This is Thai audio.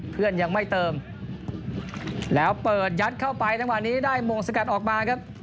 เพื่อนยังไม่เติมแล้วเปิดยัดเข้าไปจังหวะนี้ได้มงสกัดออกมาครับ